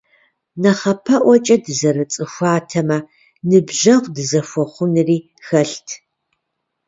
НэхъапэӀуэкӀэ дызэрыцӀыхуатэмэ, ныбжьэгъу дызэхуэхъунри хэлът.